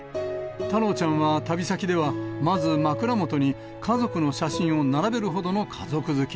太郎ちゃんは、旅先ではまず、枕元に家族の写真を並べるほどの家族好き。